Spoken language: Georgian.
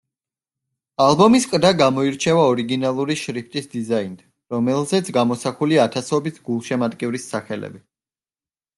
ალბომის ყდა გამოირჩევა ორიგინალური შრიფტის დიზაინით, რომელზეც გამოსახულია ათასობით გულშემატკივრის სახელები.